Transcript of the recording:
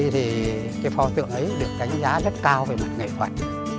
thì cái pho tượng ấy được đánh giá rất cao về mặt nghệ thuật